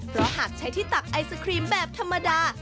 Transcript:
เพราะหากใช้ที่ตักไอศครีมแบบธรรมดา